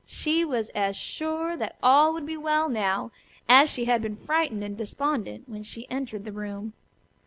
She was as sure that all would be well now, as she had been frightened and despondent when she entered the room.